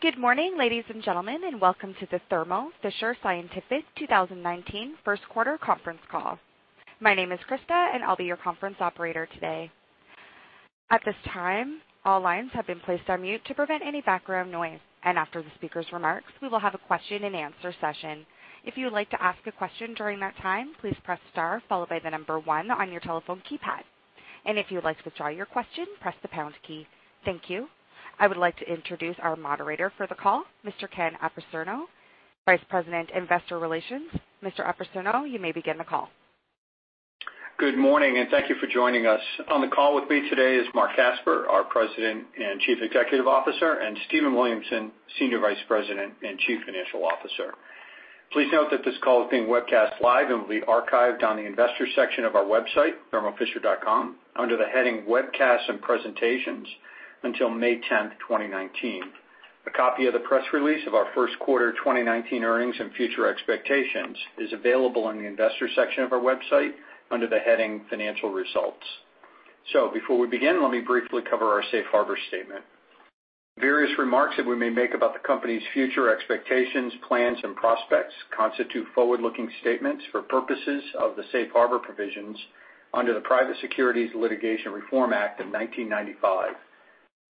Good morning, ladies and gentlemen, and welcome to the Thermo Fisher Scientific 2019 first quarter conference call. My name is Krista, I'll be your conference operator today. At this time, all lines have been placed on mute to prevent any background noise, and after the speaker's remarks, we will have a question and answer session. If you would like to ask a question during that time, please press star followed by 1 on your telephone keypad. If you would like to withdraw your question, press the pound key. Thank you. I would like to introduce our moderator for the call, Mr. Ken Apicerno, Vice President, Investor Relations. Mr. Apicerno, you may begin the call. Good morning, thank you for joining us. On the call with me today is Marc Casper, our President and Chief Executive Officer, and Stephen Williamson, Senior Vice President and Chief Financial Officer. Please note that this call is being webcast live and will be archived on the investors section of our website, thermofisher.com, under the heading Webcasts and Presentations until May 10, 2019. A copy of the press release of our first quarter 2019 earnings and future expectations is available on the investor section of our website under the heading Financial Results. Before we begin, let me briefly cover our safe harbor statement. Various remarks that we may make about the company's future expectations, plans, and prospects constitute forward-looking statements for purposes of the safe harbor provisions under the Private Securities Litigation Reform Act of 1995.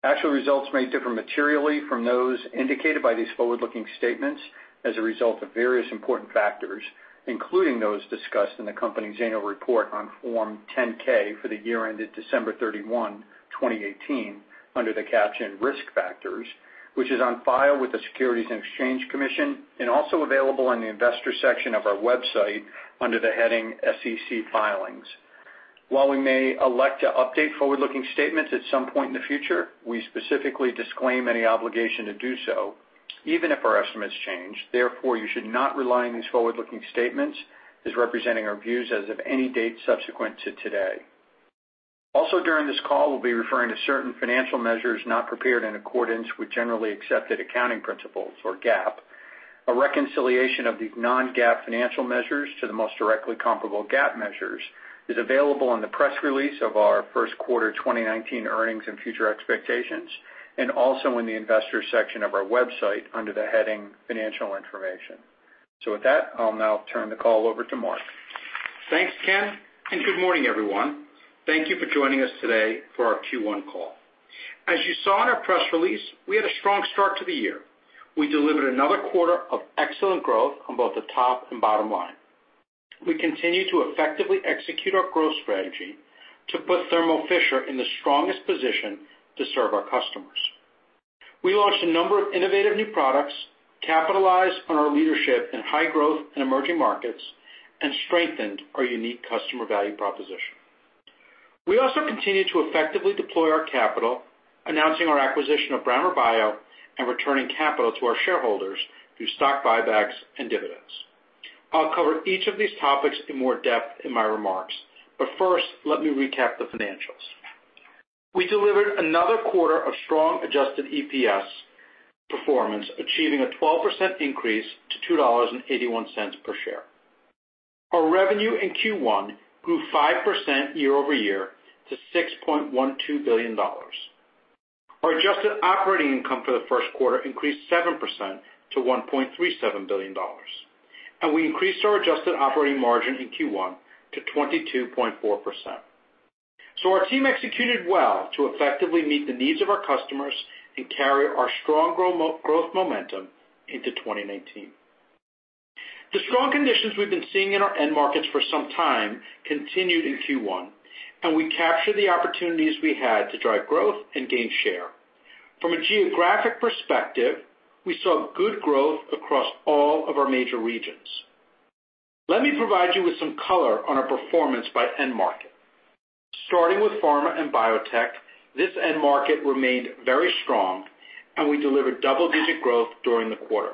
Actual results may differ materially from those indicated by these forward-looking statements as a result of various important factors, including those discussed in the company's annual report on Form 10-K for the year ended December 31, 2018, under the caption Risk Factors, which is on file with the Securities and Exchange Commission and also available on the investor section of our website under the heading SEC Filings. While we may elect to update forward-looking statements at some point in the future, we specifically disclaim any obligation to do so, even if our estimates change. Therefore, you should not rely on these forward-looking statements as representing our views as of any date subsequent to today. Also during this call, we'll be referring to certain financial measures not prepared in accordance with generally accepted accounting principles or GAAP. A reconciliation of the non-GAAP financial measures to the most directly comparable GAAP measures is available on the press release of our first quarter 2019 earnings and future expectations, and also in the investor section of our website under the heading Financial Information. With that, I'll now turn the call over to Marc. Thanks, Ken, and good morning, everyone. Thank you for joining us today for our Q1 call. As you saw in our press release, we had a strong start to the year. We delivered another quarter of excellent growth on both the top and bottom line. We continue to effectively execute our growth strategy to put Thermo Fisher Scientific in the strongest position to serve our customers. We launched a number of innovative new products, capitalized on our leadership in high growth and emerging markets, and strengthened our unique customer value proposition. We also continued to effectively deploy our capital, announcing our acquisition of Brammer Bio and returning capital to our shareholders through stock buybacks and dividends. I'll cover each of these topics in more depth in my remarks, but first, let me recap the financials. We delivered another quarter of strong adjusted EPS performance, achieving a 12% increase to $2.81 per share. Our revenue in Q1 grew 5% year-over-year to $6.12 billion. Our adjusted operating income for the first quarter increased 7% to $1.37 billion, and we increased our adjusted operating margin in Q1 to 22.4%. Our team executed well to effectively meet the needs of our customers and carry our strong growth momentum into 2019. The strong conditions we've been seeing in our end markets for some time continued in Q1, and we captured the opportunities we had to drive growth and gain share. From a geographic perspective, we saw good growth across all of our major regions. Let me provide you with some color on our performance by end market. Starting with pharma and biotech, this end market remained very strong, and we delivered double-digit growth during the quarter.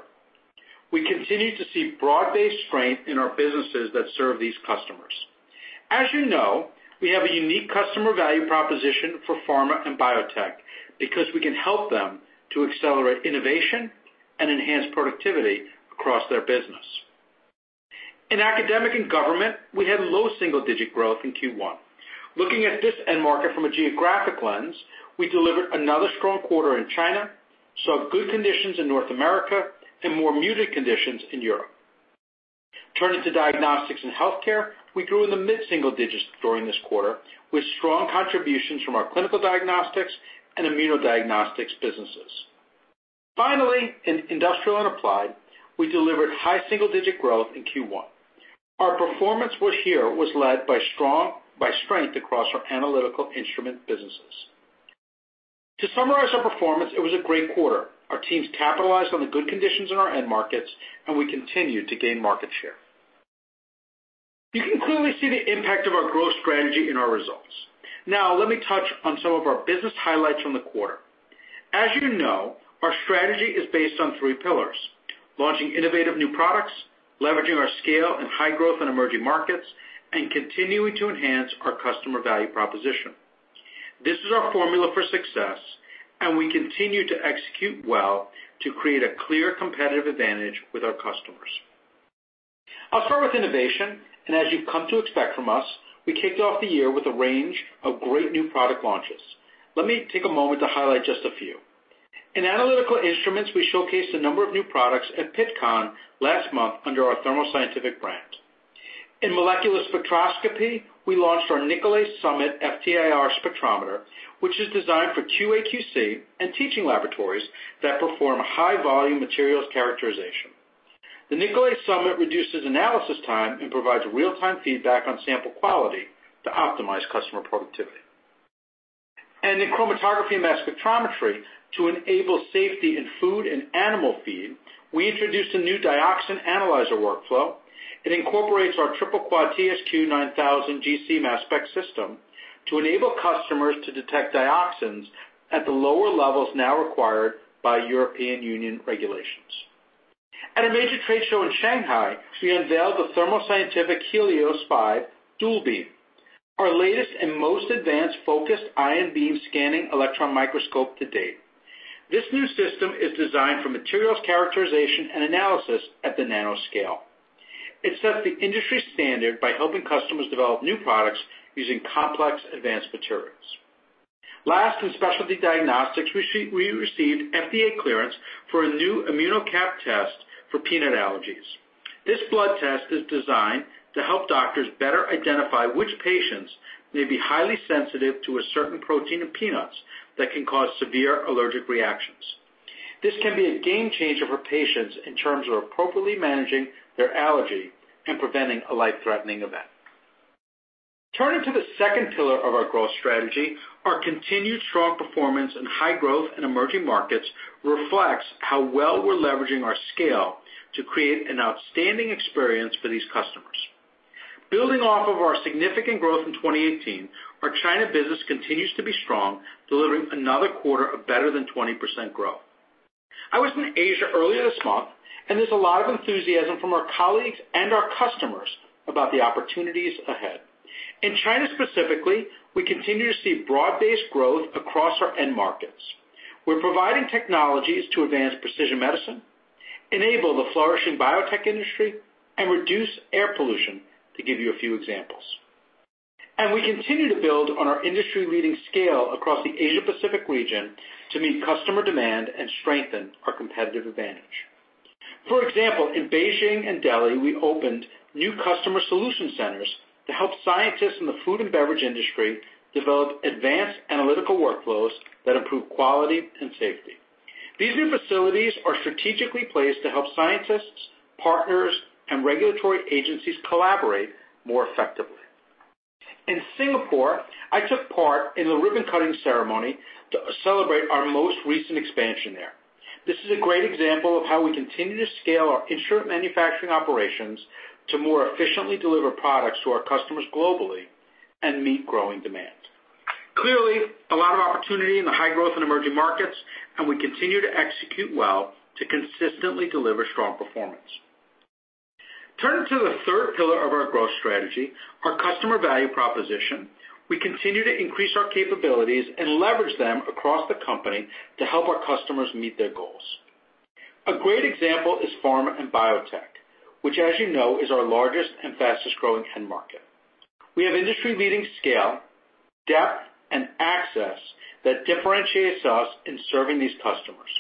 We continue to see broad-based strength in our businesses that serve these customers. As you know, we have a unique customer value proposition for pharma and biotech because we can help them to accelerate innovation and enhance productivity across their business. In academic and government, we had low single-digit growth in Q1. Looking at this end market from a geographic lens, we delivered another strong quarter in China, saw good conditions in North America, and more muted conditions in Europe. Turning to diagnostics and healthcare, we grew in the mid-single digits during this quarter with strong contributions from our clinical diagnostics and immunodiagnostics businesses. Finally, in industrial and applied, we delivered high single-digit growth in Q1. Our performance here was led by strength across our Analytical Instruments businesses. To summarize our performance, it was a great quarter. Our teams capitalized on the good conditions in our end markets, and we continued to gain market share. You can clearly see the impact of our growth strategy in our results. Now, let me touch on some of our business highlights from the quarter. As you know, our strategy is based on three pillars: launching innovative new products, leveraging our scale in high growth and emerging markets, and continuing to enhance our customer value proposition. This is our formula for success, and we continue to execute well to create a clear competitive advantage with our customers. I'll start with innovation, and as you've come to expect from us, we kicked off the year with a range of great new product launches. Let me take a moment to highlight just a few. In Analytical Instruments, we showcased a number of new products at Pittcon last month under our Thermo Scientific brand. In molecular spectroscopy, we launched our Nicolet Summit FTIR spectrometer, which is designed for QA/QC and teaching laboratories that perform high volume materials characterization. The Nicolet Summit reduces analysis time and provides real-time feedback on sample quality to optimize customer productivity. In chromatography mass spectrometry, to enable safety in food and animal feed, we introduced a new dioxin analyzer workflow. It incorporates our TSQ 9000 Triple Quadrupole GC-MS/MS system to enable customers to detect dioxins at the lower levels now required by European Union regulations. At a major trade show in Shanghai, we unveiled the Thermo Scientific Helios G5 DualBeam, our latest and most advanced focused ion beam scanning electron microscope to date. This new system is designed for materials characterization and analysis at the nanoscale. It sets the industry standard by helping customers develop new products using complex advanced materials. Last, in Specialty Diagnostics, we received FDA clearance for a new ImmunoCAP test for peanut allergies. This blood test is designed to help doctors better identify which patients may be highly sensitive to a certain protein in peanuts that can cause severe allergic reactions. This can be a game changer for patients in terms of appropriately managing their allergy and preventing a life-threatening event. Turning to the second pillar of our growth strategy, our continued strong performance in high growth and emerging markets reflects how well we're leveraging our scale to create an outstanding experience for these customers. Building off of our significant growth in 2018, our China business continues to be strong, delivering another quarter of better than 20% growth. I was in Asia earlier this month, there's a lot of enthusiasm from our colleagues and our customers about the opportunities ahead. In China specifically, we continue to see broad-based growth across our end markets. We're providing technologies to advance precision medicine, enable the flourishing biotech industry, and reduce air pollution, to give you a few examples. We continue to build on our industry-leading scale across the Asia Pacific region to meet customer demand and strengthen our competitive advantage. For example, in Beijing and Delhi, we opened new customer solution centers to help scientists in the food and beverage industry develop advanced analytical workflows that improve quality and safety. These new facilities are strategically placed to help scientists, partners, and regulatory agencies collaborate more effectively. In Singapore, I took part in the ribbon-cutting ceremony to celebrate our most recent expansion there. This is a great example of how we continue to scale our instrument manufacturing operations to more efficiently deliver products to our customers globally and meet growing demand. Clearly, a lot of opportunity in the high-growth and emerging markets, we continue to execute well to consistently deliver strong performance. Turning to the third pillar of our growth strategy, our customer value proposition, we continue to increase our capabilities and leverage them across the company to help our customers meet their goals. A great example is pharma and biotech, which as you know, is our largest and fastest-growing end market. We have industry-leading scale, depth, and access that differentiates us in serving these customers.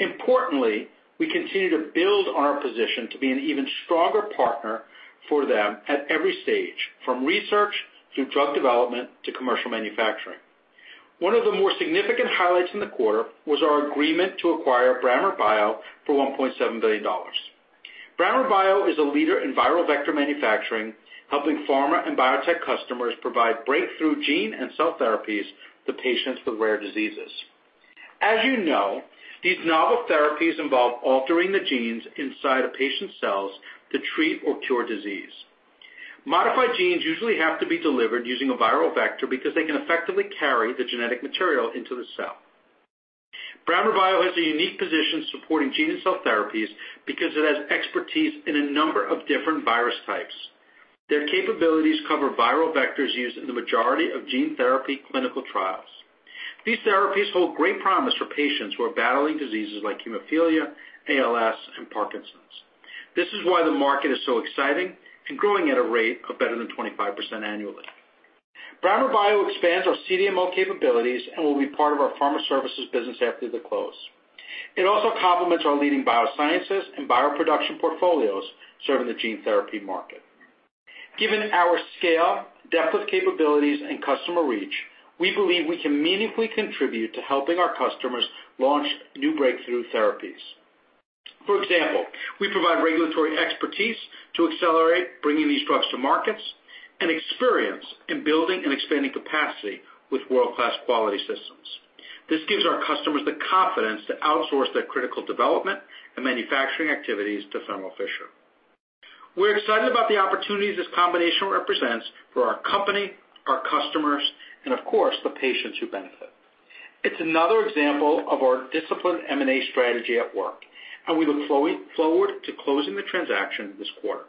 Importantly, we continue to build on our position to be an even stronger partner for them at every stage, from research through drug development to commercial manufacturing. One of the more significant highlights in the quarter was our agreement to acquire Brammer Bio for $1.7 billion. Brammer Bio is a leader in viral vector manufacturing, helping pharma and biotech customers provide breakthrough gene and cell therapies to patients with rare diseases. As you know, these novel therapies involve altering the genes inside a patient's cells to treat or cure disease. Modified genes usually have to be delivered using a viral vector because they can effectively carry the genetic material into the cell. Brammer Bio has a unique position supporting gene and cell therapies because it has expertise in a number of different virus types. Their capabilities cover viral vectors used in the majority of gene therapy clinical trials. These therapies hold great promise for patients who are battling diseases like hemophilia, ALS, and Parkinson's. This is why the market is so exciting and growing at a rate of better than 25% annually. Brammer Bio expands our CDMO capabilities and will be part of our pharma services business after the close. It also complements our leading biosciences and bioproduction portfolios serving the gene therapy market. Given our scale, depth of capabilities, and customer reach, we believe we can meaningfully contribute to helping our customers launch new breakthrough therapies. For example, we provide regulatory expertise to accelerate bringing these drugs to markets and experience in building and expanding capacity with world-class quality systems. This gives our customers the confidence to outsource their critical development and manufacturing activities to Thermo Fisher. We're excited about the opportunities this combination represents for our company, our customers, and of course, the patients who benefit. It's another example of our disciplined M&A strategy at work. We look forward to closing the transaction this quarter.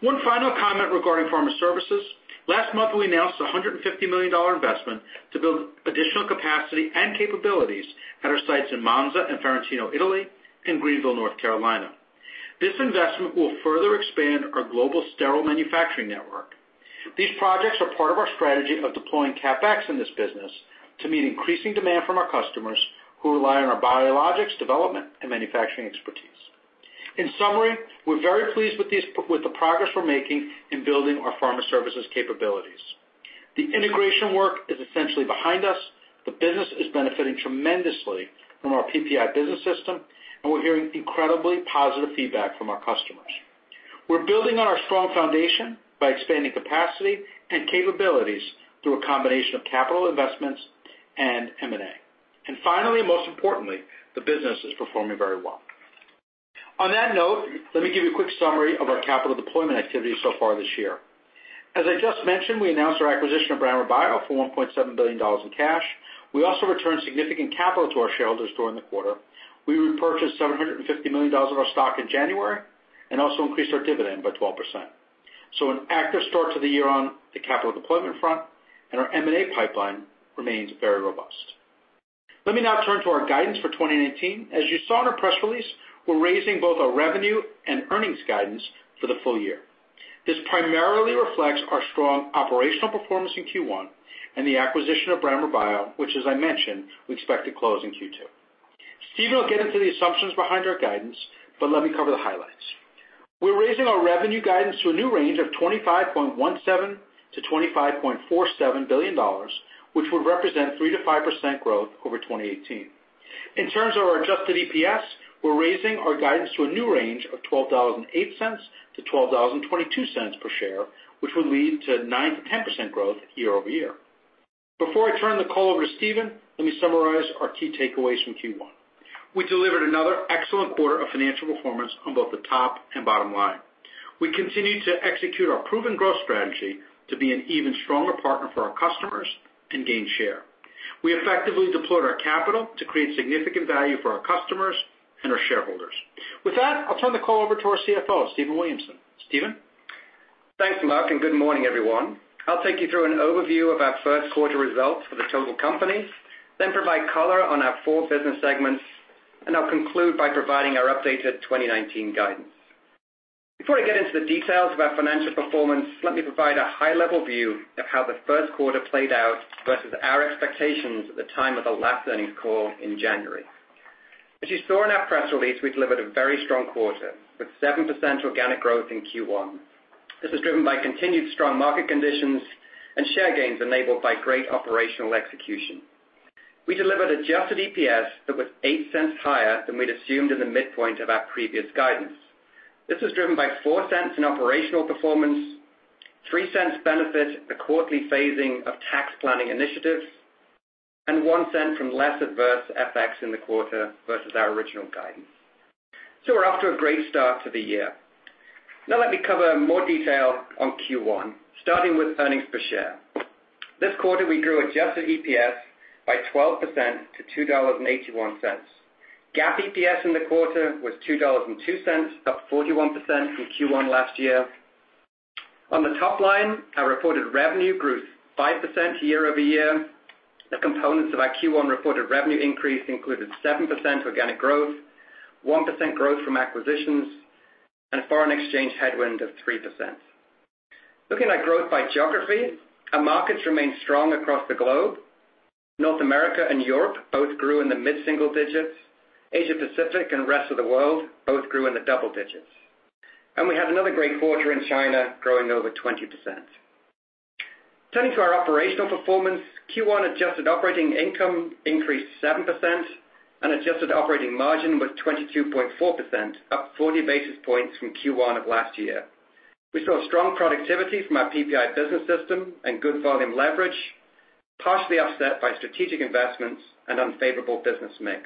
One final comment regarding pharma services. Last month, we announced a $150 million investment to build additional capacity and capabilities at our sites in Monza and Ferentino, Italy, and Greenville, North Carolina. This investment will further expand our global sterile manufacturing network. These projects are part of our strategy of deploying CapEx in this business to meet increasing demand from our customers who rely on our biologics development and manufacturing expertise. In summary, we're very pleased with the progress we're making in building our pharma services capabilities. The integration work is essentially behind us. The business is benefiting tremendously from our PPI business system, and we're hearing incredibly positive feedback from our customers. We're building on our strong foundation by expanding capacity and capabilities through a combination of capital investments and M&A. Finally, and most importantly, the business is performing very well. On that note, let me give you a quick summary of our capital deployment activity so far this year. As I just mentioned, we announced our acquisition of Brammer Bio for $1.7 billion in cash. We also returned significant capital to our shareholders during the quarter. We repurchased $750 million of our stock in January and also increased our dividend by 12%. An active start to the year on the capital deployment front, and our M&A pipeline remains very robust. Let me now turn to our guidance for 2019. As you saw in our press release, we're raising both our revenue and earnings guidance for the full year. This primarily reflects our strong operational performance in Q1 and the acquisition of Brammer Bio, which as I mentioned, we expect to close in Q2. Stephen will get into the assumptions behind our guidance, but let me cover the highlights. We're raising our revenue guidance to a new range of $25.17 billion-$25.47 billion, which would represent 3%-5% growth over 2018. In terms of our adjusted EPS, we're raising our guidance to a new range of $12.08-$12.22 per share, which would lead to 9%-10% growth year-over-year. Before I turn the call over to Stephen, let me summarize our key takeaways from Q1. We delivered another excellent quarter of financial performance on both the top and bottom line. We continued to execute our proven growth strategy to be an even stronger partner for our customers and gain share. We effectively deployed our capital to create significant value for our customers and our shareholders. With that, I'll turn the call over to our CFO, Stephen Williamson. Stephen? Thanks, Marc, good morning, everyone. I'll take you through an overview of our first quarter results for the total company, then provide color on our four business segments, and I'll conclude by providing our updated 2019 guidance. Before I get into the details of our financial performance, let me provide a high-level view of how the first quarter played out versus our expectations at the time of the last earnings call in January. As you saw in our press release, we delivered a very strong quarter, with 7% organic growth in Q1. This was driven by continued strong market conditions and share gains enabled by great operational execution. We delivered adjusted EPS that was $0.08 higher than we'd assumed in the midpoint of our previous guidance. This was driven by $0.04 in operational performance, $0.03 benefit, the quarterly phasing of tax planning initiatives, and $0.01 from less adverse FX in the quarter versus our original guidance. We're off to a great start to the year. Now let me cover more detail on Q1, starting with earnings per share. This quarter, we grew adjusted EPS by 12% to $2.81. GAAP EPS in the quarter was $2.02, up 41% from Q1 last year. On the top line, our reported revenue grew 5% year-over-year. The components of our Q1 reported revenue increase included 7% organic growth, 1% growth from acquisitions, and a foreign exchange headwind of 3%. Looking at growth by geography, our markets remained strong across the globe. North America and Europe both grew in the mid-single digits. Asia Pacific and rest of the world both grew in the double digits. We had another great quarter in China, growing over 20%. Turning to our operational performance, Q1 adjusted operating income increased 7% and adjusted operating margin was 22.4%, up 40 basis points from Q1 of last year. We saw strong productivity from our PPI business system and good volume leverage, partially offset by strategic investments and unfavorable business mix.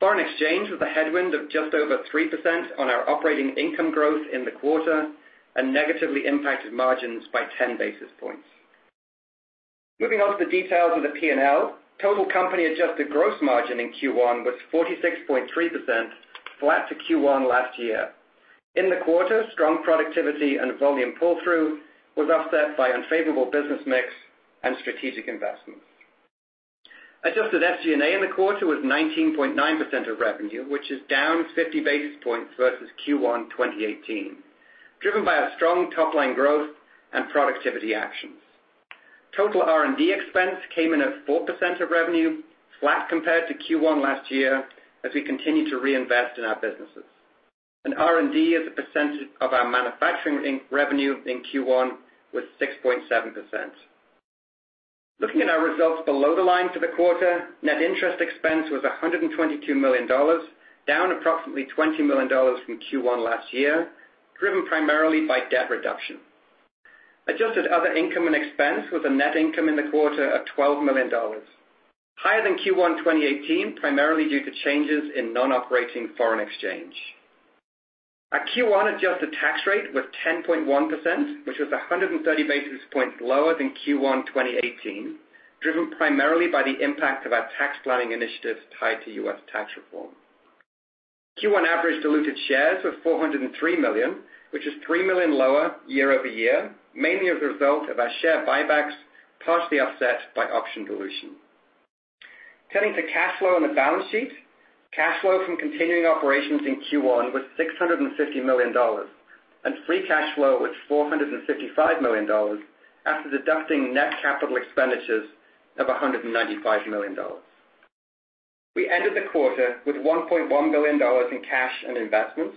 Foreign exchange was a headwind of just over 3% on our operating income growth in the quarter and negatively impacted margins by 10 basis points. Moving on to the details of the P&L, total company adjusted gross margin in Q1 was 46.3%, flat to Q1 last year. In the quarter, strong productivity and volume pull-through was offset by unfavorable business mix and strategic investments. Adjusted SG&A in the quarter was 19.9% of revenue, which is down 50 basis points versus Q1 2018, driven by our strong top-line growth and productivity actions. Total R&D expense came in at 4% of revenue, flat compared to Q1 last year, as we continue to reinvest in our businesses. R&D as a percentage of our manufacturing revenue in Q1 was 6.7%. Looking at our results below the line for the quarter, net interest expense was $122 million, down approximately $20 million from Q1 last year, driven primarily by debt reduction. Adjusted other income and expense was a net income in the quarter of $12 million, higher than Q1 2018, primarily due to changes in non-operating foreign exchange. Our Q1 adjusted tax rate was 10.1%, which was 130 basis points lower than Q1 2018, driven primarily by the impact of our tax planning initiatives tied to U.S. tax reform. Q1 average diluted shares was 403 million, which is 3 million lower year-over-year, mainly as a result of our share buybacks, partially offset by option dilution. Turning to cash flow on the balance sheet. Cash flow from continuing operations in Q1 was $650 million, and free cash flow was $455 million after deducting net capital expenditures of $195 million. We ended the quarter with $1.1 billion in cash and investments.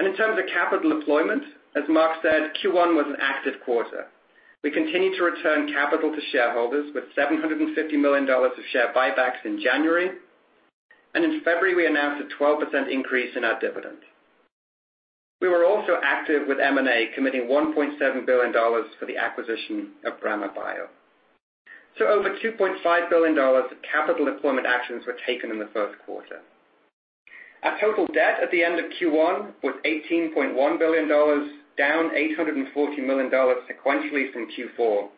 In terms of capital deployment, as Marc said, Q1 was an active quarter. We continued to return capital to shareholders with $750 million of share buybacks in January, and in February we announced a 12% increase in our dividend. We were also active with M&A, committing $1.7 billion for the acquisition of Brammer Bio. Over $2.5 billion of capital deployment actions were taken in the first quarter. Our total debt at the end of Q1 was $18.1 billion, down $840 million sequentially from Q4.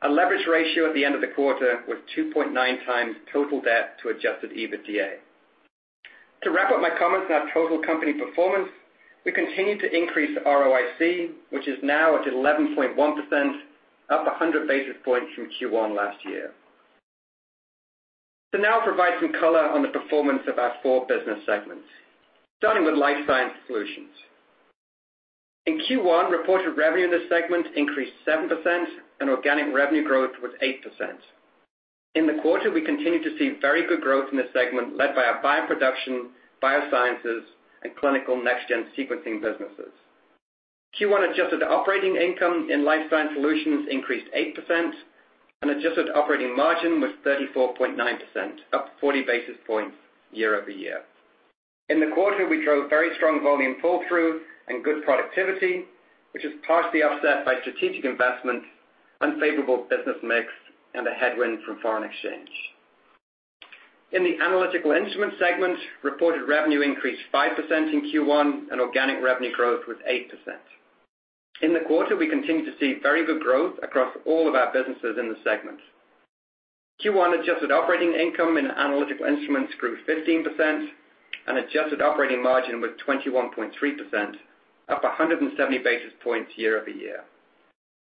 Our leverage ratio at the end of the quarter was 2.9 times total debt to adjusted EBITDA. To wrap up my comments on our total company performance, we continue to increase ROIC, which is now at 11.1%, up 100 basis points from Q1 last year. To now provide some color on the performance of our four business segments, starting with Life Sciences Solutions. In Q1, reported revenue in this segment increased 7%, and organic revenue growth was 8%. In the quarter, we continued to see very good growth in this segment, led by our bioproduction, biosciences and clinical next-generation sequencing businesses. Q1 adjusted operating income in Life Sciences Solutions increased 8%, and adjusted operating margin was 34.9%, up 40 basis points year-over-year. In the quarter, we drove very strong volume pull-through and good productivity, which is partially offset by strategic investment, unfavorable business mix, and a headwind from foreign exchange. In the Analytical Instruments segment, reported revenue increased 5% in Q1, and organic revenue growth was 8%. In the quarter, we continued to see very good growth across all of our businesses in the segment. Q1 adjusted operating income in Analytical Instruments grew 15%, and adjusted operating margin was 21.3%, up 170 basis points year-over-year.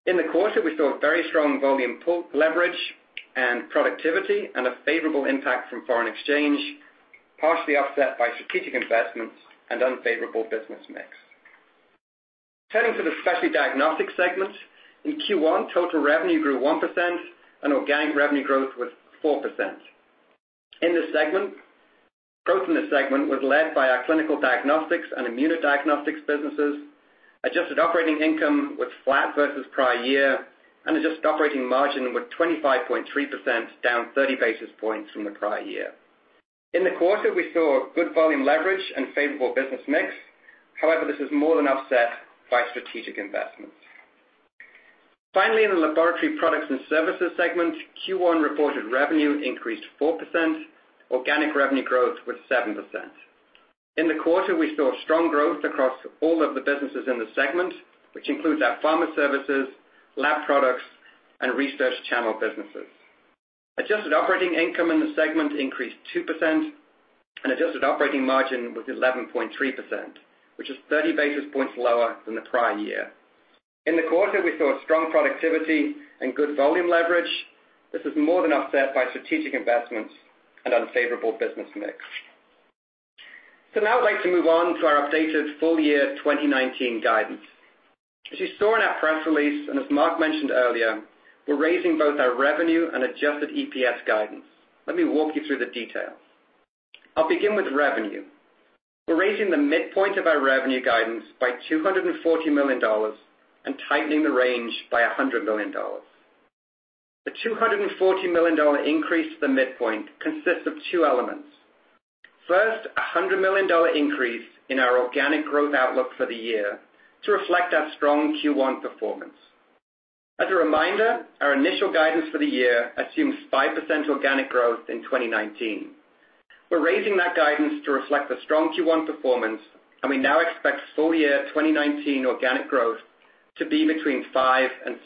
In the quarter, we saw very strong volume pull leverage and productivity, and a favorable impact from foreign exchange, partially offset by strategic investments and unfavorable business mix. Turning to the Specialty Diagnostics segment. In Q1, total revenue grew 1%, and organic revenue growth was 4%. Growth in this segment was led by our clinical diagnostics and immunodiagnostics businesses. Adjusted operating income was flat versus prior year, and adjusted operating margin was 25.3%, down 30 basis points from the prior year. In the quarter, we saw good volume leverage and favorable business mix. However, this was more than offset by strategic investments. Finally, in the Laboratory Products and Services segment, Q1 reported revenue increased 4%. Organic revenue growth was 7%. In the quarter, we saw strong growth across all of the businesses in the segment, which includes our pharma services, lab products, and research channel businesses. Adjusted operating income in the segment increased 2%, and adjusted operating margin was 11.3%, which is 30 basis points lower than the prior year. In the quarter, we saw strong productivity and good volume leverage. This was more than offset by strategic investments and unfavorable business mix. Now I'd like to move on to our updated full-year 2019 guidance. As you saw in our press release, and as Marc mentioned earlier, we're raising both our revenue and adjusted EPS guidance. Let me walk you through the detail. I'll begin with revenue. We're raising the midpoint of our revenue guidance by $240 million and tightening the range by $100 million. The $240 million increase to the midpoint consists of two elements. First, a $100 million increase in our organic growth outlook for the year to reflect our strong Q1 performance. As a reminder, our initial guidance for the year assumes 5% organic growth in 2019. We're raising that guidance to reflect the strong Q1 performance, and we now expect full-year 2019 organic growth to be between 5% and 6%.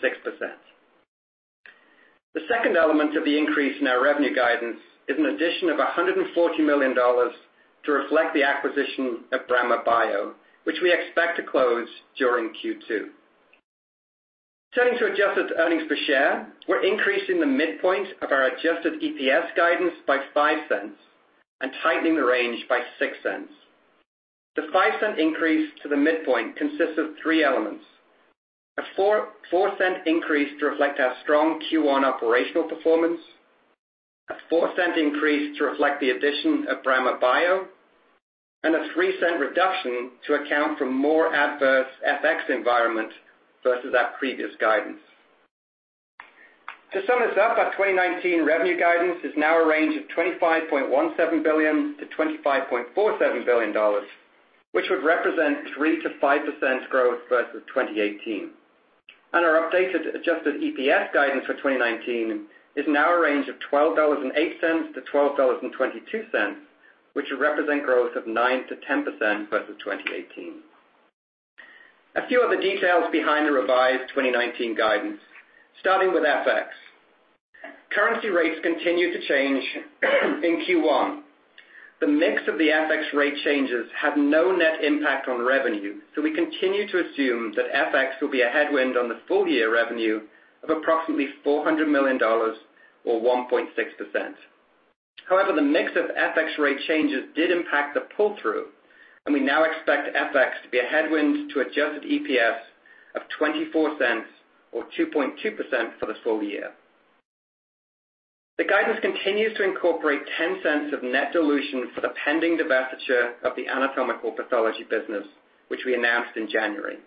The second element of the increase in our revenue guidance is an addition of $140 million to reflect the acquisition of Brammer Bio, which we expect to close during Q2. Turning to adjusted earnings per share. We're increasing the midpoint of our adjusted EPS guidance by $0.05 and tightening the range by $0.06. The $0.05 increase to the midpoint consists of three elements. A $0.04 increase to reflect our strong Q1 operational performance. A $0.04 increase to reflect the addition of Brammer Bio, and a $0.03 reduction to account for more adverse FX environment versus our previous guidance. To sum this up, our 2019 revenue guidance is now a range of $25.17 billion to $25.47 billion, which would represent 3%-5% growth versus 2018. A few other details behind the revised 2019 guidance, starting with FX. Currency rates continued to change in Q1. The mix of the FX rate changes had no net impact on revenue, we continue to assume that FX will be a headwind on the full-year revenue of approximately $400 million or 1.6%. The mix of FX rate changes did impact the pull-through, and we now expect FX to be a headwind to adjusted EPS of $0.24 or 2.2% for the full year. The guidance continues to incorporate $0.10 of net dilution for the pending divestiture of the anatomical pathology business, which we announced in January.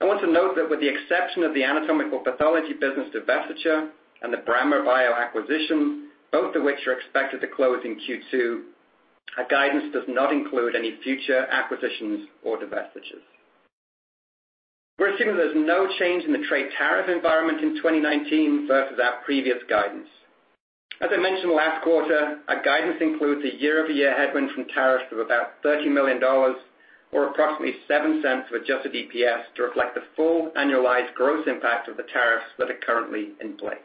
I want to note that with the exception of the anatomical pathology business divestiture and the Brammer Bio acquisition, both of which are expected to close in Q2, our guidance does not include any future acquisitions or divestitures. We're assuming there's no change in the trade tariff environment in 2019 versus our previous guidance. As I mentioned last quarter, our guidance includes a year-over-year headwind from tariffs of about $30 million or approximately $0.07 of adjusted EPS to reflect the full annualized gross impact of the tariffs that are currently in place.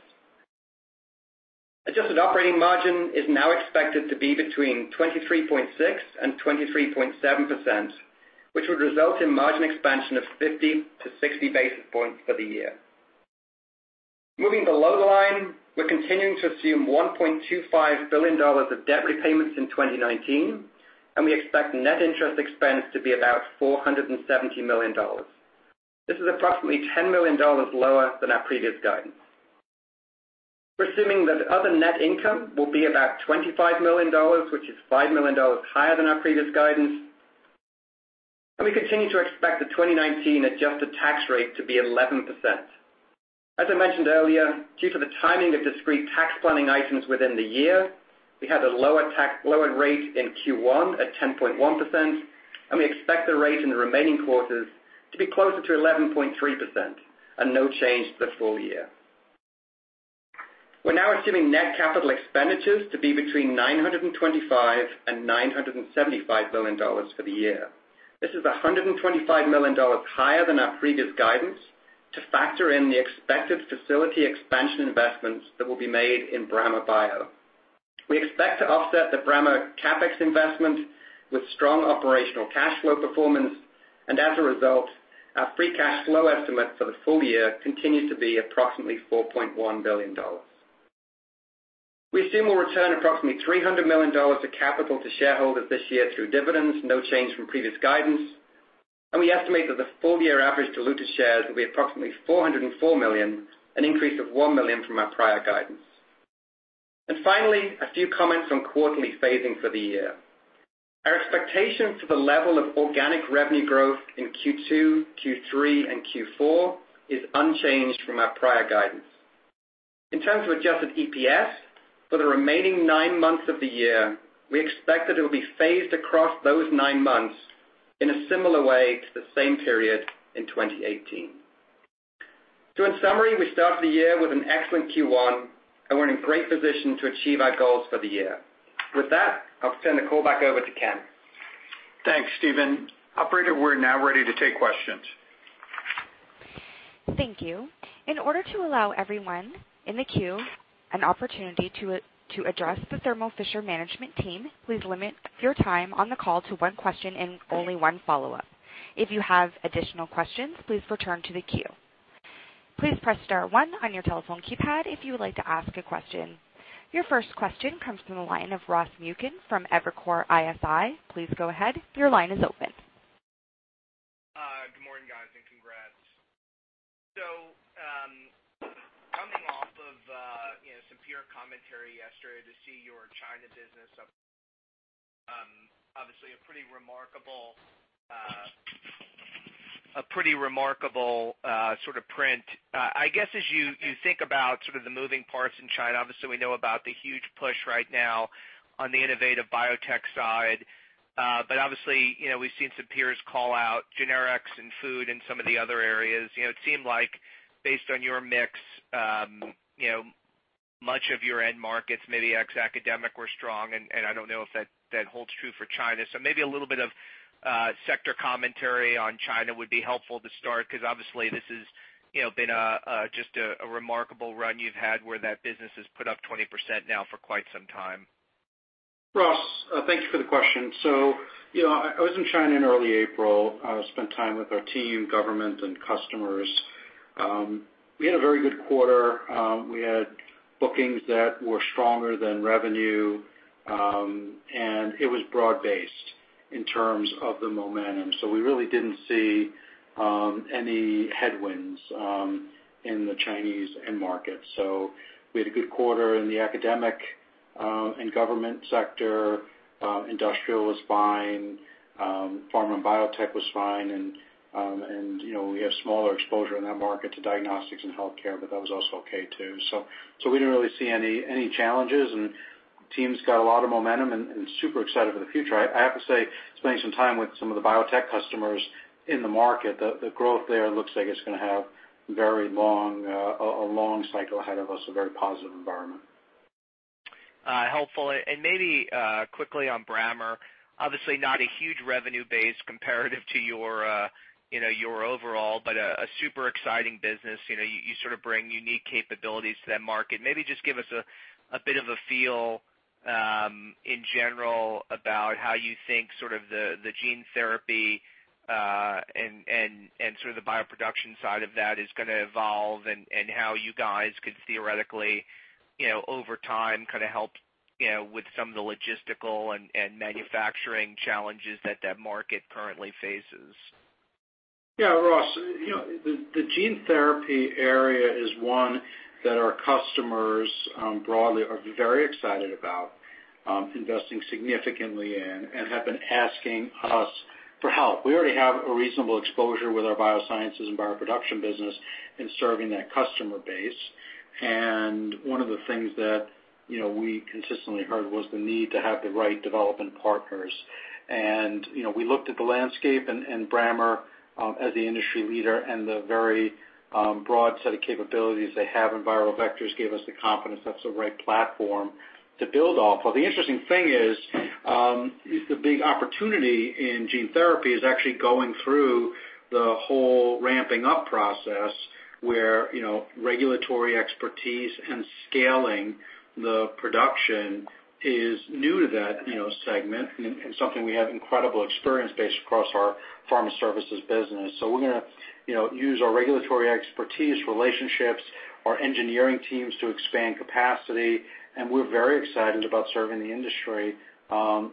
Adjusted operating margin is now expected to be between 23.6% and 23.7%, which would result in margin expansion of 50 to 60 basis points for the year. Moving below the line, we're continuing to assume $1.25 billion of debt repayments in 2019, and we expect net interest expense to be about $470 million. This is approximately $10 million lower than our previous guidance. We're assuming that other net income will be about $25 million, which is $5 million higher than our previous guidance. We continue to expect the 2019 adjusted tax rate to be 11%. As I mentioned earlier, due to the timing of discrete tax planning items within the year, we had a lower rate in Q1 at 10.1%, and we expect the rate in the remaining quarters to be closer to 11.3% and no change to the full year. We're now assuming net capital expenditures to be between $925 million and $975 million for the year. This is $125 million higher than our previous guidance to factor in the expected facility expansion investments that will be made in Brammer Bio. We expect to offset the Brammer CapEx investment with strong operational cash flow performance, and as a result, our free cash flow estimate for the full year continues to be approximately $4.1 billion. We assume we'll return approximately $300 million of capital to shareholders this year through dividends, no change from previous guidance. We estimate that the full-year average diluted shares will be approximately 404 million, an increase of one million from our prior guidance. Finally, a few comments on quarterly phasing for the year. Our expectations for the level of organic revenue growth in Q2, Q3, and Q4 is unchanged from our prior guidance. In terms of adjusted EPS for the remaining nine months of the year, we expect that it will be phased across those nine months in a similar way to the same period in 2018. In summary, we started the year with an excellent Q1, and we're in great position to achieve our goals for the year. With that, I'll turn the call back over to Ken. Thanks, Stephen. Operator, we're now ready to take questions. Thank you. In order to allow everyone in the queue an opportunity to address the Thermo Fisher management team, please limit your time on the call to one question and only one follow-up. If you have additional questions, please return to the queue. Please press star one on your telephone keypad if you would like to ask a question. Your first question comes from the line of Ross Muken from Evercore ISI. Please go ahead. Your line is open. Good morning, guys, and congrats. Coming off of some peer commentary yesterday to see your China business up, obviously a pretty remarkable sort of print. I guess as you think about sort of the moving parts in China, obviously we know about the huge push right now on the innovative biotech side. Obviously, we've seen some peers call out generics and food and some of the other areas. It seemed like based on your mix, much of your end markets, maybe ex academic, were strong, and I don't know if that holds true for China. Maybe a little bit of sector commentary on China would be helpful to start, because obviously this has been just a remarkable run you've had where that business has put up 20% now for quite some time. Ross, thank you for the question. I was in China in early April. I spent time with our team, government, and customers. We had a very good quarter. We had bookings that were stronger than revenue, and it was broad-based in terms of the momentum. We really didn't see any headwinds in the Chinese end market. We had a good quarter in the academic and government sector. Industrial was fine. Pharma and biotech was fine, and we have smaller exposure in that market to diagnostics and healthcare, but that was also okay too. We didn't really see any challenges, and the team's got a lot of momentum and super excited for the future. I have to say, spending some time with some of the biotech customers in the market, the growth there looks like it's going to have a long cycle ahead of us, a very positive environment. Helpful. Maybe quickly on Brammer, obviously not a huge revenue base comparative to your overall, but a super exciting business. You sort of bring unique capabilities to that market. Maybe just give us a bit of a feel, in general, about how you think the gene therapy and sort of the bioproduction side of that is going to evolve, and how you guys could theoretically, over time, help with some of the logistical and manufacturing challenges that that market currently faces. Yeah, Ross, the gene therapy area is one that our customers broadly are very excited about investing significantly in and have been asking us for help. We already have a reasonable exposure with our biosciences and bioproduction business in serving that customer base. One of the things that we consistently heard was the need to have the right development partners. We looked at the landscape, and Brammer, as the industry leader and the very broad set of capabilities they have in viral vectors, gave us the confidence that's the right platform to build off of. The interesting thing is, the big opportunity in gene therapy is actually going through the whole ramping up process where regulatory expertise and scaling the production is new to that segment and something we have incredible experience base across our pharma services business. We're going to use our regulatory expertise, relationships, our engineering teams to expand capacity, and we're very excited about serving the industry